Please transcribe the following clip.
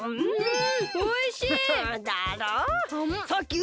ん！